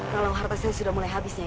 kalau harta saya sudah mulai habis nyai